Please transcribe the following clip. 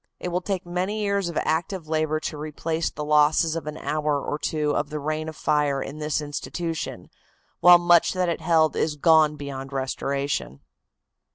It will take many years of active labor to replace the losses of an hour or two of the reign of fire in this institution, while much that it held is gone beyond restoration.